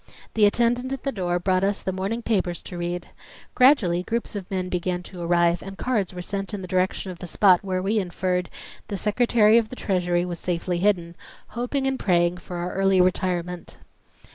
The attendant at the door brought us the morning papers to read. Gradually groups of men began to arrive and cards were sent in the direction of the spot where we inferred the Secretary of the Treasury was safely hidden, hoping and praying for our early retirement.